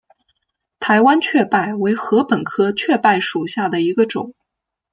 台湾雀稗为禾本科雀稗属下的一个种。